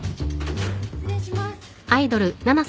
失礼します。